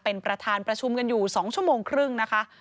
เป็นประธานประชุมกันอยู่๒ชั่วโมงครึ่งนะคะ